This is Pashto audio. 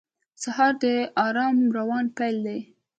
سهار د آرام روان پیل دی.